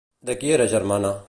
De qui era germana?